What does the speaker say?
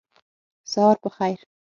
سهار په خیر !